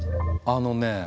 あのね